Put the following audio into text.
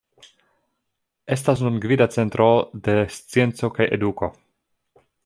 Estas nun gvida centro de scienco kaj eduko.